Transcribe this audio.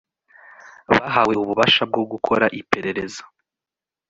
bahawe ububasha bwo gukora iperereza